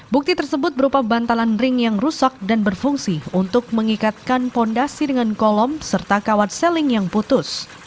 bukti tersebut berupa bantalan ring yang rusak dan berfungsi untuk mengikatkan fondasi dengan kolom serta kawat seling yang putus